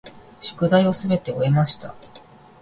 宿題をすべて終えました。